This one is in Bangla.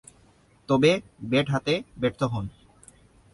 তবে, ব্যাট হাতে ব্যর্থ হন।